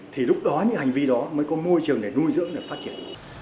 thì lúc đó những hành vi đó mới có môi trường để nuôi dưỡng để phát triển